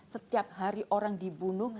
setiap hari orang dibunuh